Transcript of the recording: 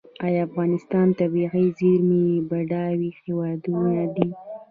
آیا افغانستان د طبیعي زیرمو بډایه هیواد دی؟